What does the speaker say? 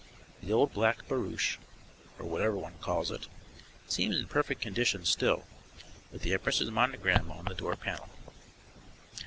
The old black barouche, or whatever one calls it, seems in perfect condition still, with the empress's monogram on the door panel.